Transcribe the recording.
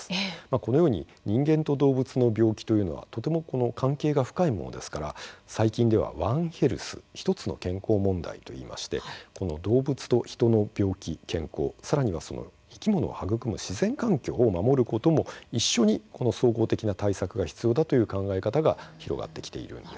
このように人間と動物の病気というのはとても関係が深いものですから最近では「ワンヘルス」ひとつの健康問題といいまして動物と人の病気、健康さらには生き物を育む自然環境を守ることも一緒に総合的な対策が必要だという考え方が広がってきているんです。